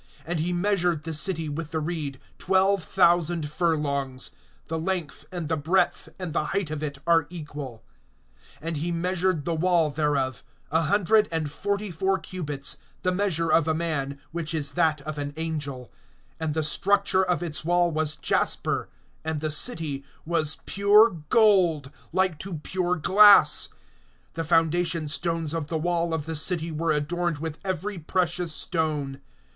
And he measured the city with the reed, twelve thousand furlongs. The length, and the breadth, and the height of it are equal. (17)And he measured the wall thereof, a hundred and forty four cubits, the measure of a man, which is that of an angel. (18)And the structure of its wall was jasper; and the city was pure gold, like to pure glass. (19)The foundation stones of the wall of the city were adorned with every precious stone.